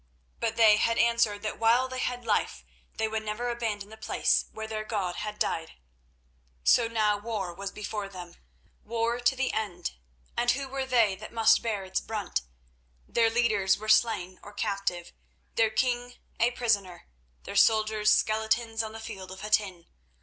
But they had answered that while they had life they would never abandon the place where their God had died. So now war was before them—war to the end; and who were they that must bear its brunt? Their leaders were slain or captive, their king a prisoner, their soldiers skeletons on the field of Hattin.